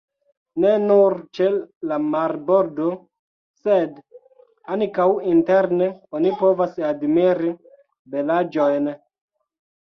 Ne nur ĉe la marbordo, sed ankaŭ interne, oni povas admiri belaĵojn.